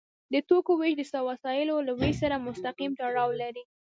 د توکو ویش د وسایلو له ویش سره مستقیم تړاو لري.